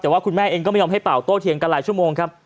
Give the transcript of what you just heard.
แต่ว่าคุณแม่เองก็ไม่ยอมให้เป่าโต้เถียงกันหลายชั่วโมงครับ